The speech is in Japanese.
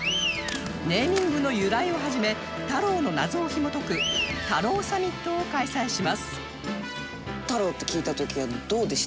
ネーミングの由来をはじめ太郎の謎をひも解く太郎サミットを開催します